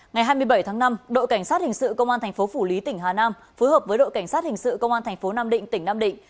ngày hai mươi bảy tháng năm đội cảnh sát hình sự công an thành phố phủ lý tỉnh hà nam phối hợp với đội cảnh sát hình sự công an thành phố nam định tỉnh nam định